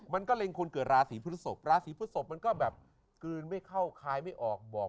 มันก็เล็งคนเกิดราศีพฤศพราศีพฤศพมันก็แบบกลืนไม่เข้าคายไม่ออกบอก